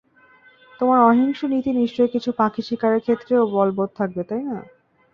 তোমার অহিংস নীতি নিশ্চয়ই কিছু পাখি শিকারের ক্ষেত্রেও বলবত থাকবে না, তাই না?